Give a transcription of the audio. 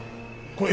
これ。